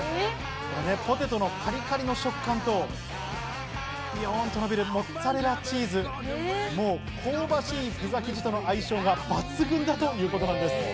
ポテトのカリカリの食感と、ビヨンと伸びるモッツァレラチーズ、香ばしいピザ生地との相性が抜群だということです。